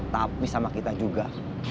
tapi sama kita juga